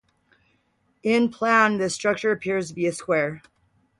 In plan, the structure appears to be a square.